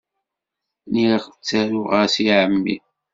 Lliɣ ttaruɣ-as i ɛemmi.